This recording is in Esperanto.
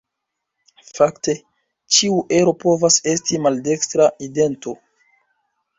Fakte, ĉiu ero povas esti maldekstra idento.